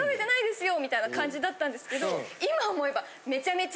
みたいな感じだったんですけど今思えば。